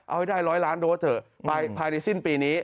เอาให้ได้๑๐๐ล้านโดสเถอะภายในสิ้นปีนี้